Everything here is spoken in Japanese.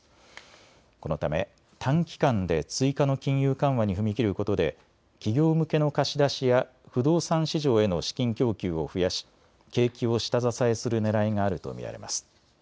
このため短期間で追加の金融緩和に踏み切ることで企業向けの貸し出しや不動産市場への資金供給を増やし景気を下支えするねらいがあると見られます。